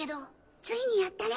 ついにやったね！